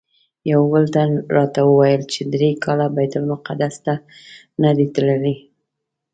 یو بل تن راته ویل چې درې کاله بیت المقدس ته نه دی تللی.